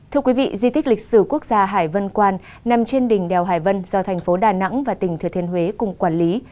thưa quý vị di tích lịch sử quốc gia hải vân quan nằm trên đỉnh đèo hải vân do thành phố đà nẵng và tỉnh thừa thiên huế cùng quản lý